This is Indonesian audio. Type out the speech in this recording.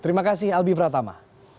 terima kasih albi pratama